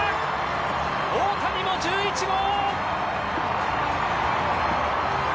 大谷も１１号！